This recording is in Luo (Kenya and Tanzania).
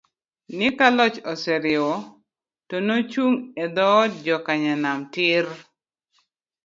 ni ka loch oseriwo, to nochung e dhood jokanyanam tiir!!